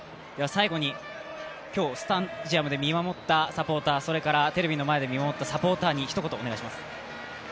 最後に今日スタジアムで見守ってくれたサポーター、それからテレビの前で見守ったサポーターに一言お願いします。